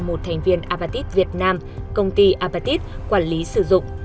một thành viên avatit việt nam công ty apatit quản lý sử dụng